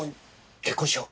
結婚しよう。